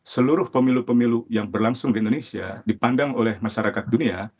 seluruh pemilu pemilu yang berlangsung di indonesia dipandang oleh masyarakat dunia